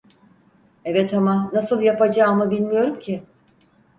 Evet ama nasıl yapacağımı bilmiyorum ki!